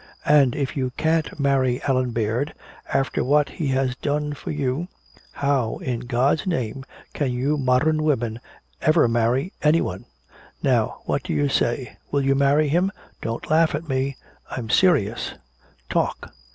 And if you can't marry Allan Baird, after what he has done for you, how in God's name can you modern women ever marry anyone? Now what do you say? Will you marry him? Don't laugh at me! I'm serious! Talk!"